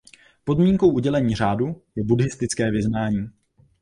Podmínkou udělení řádu je buddhistické vyznání.